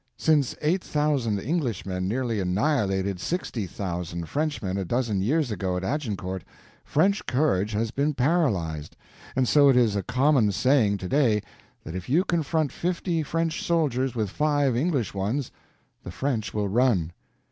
Since eight thousand Englishmen nearly annihilated sixty thousand Frenchmen a dozen years ago at Agincourt, French courage has been paralyzed. And so it is a common saying to day that if you confront fifty French soldiers with five English ones, the French will run."